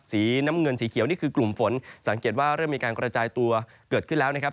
สีน้ำเงินสีเขียวนี่คือกลุ่มฝนสังเกตว่าเริ่มมีการกระจายตัวเกิดขึ้นแล้วนะครับ